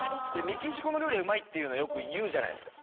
メキシコの料理はうまいってよくいうじゃないですか。